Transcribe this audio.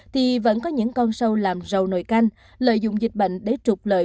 thì vẫn có những con sâu làm rầu nồi canh lợi dụng dịch bệnh để trục lợi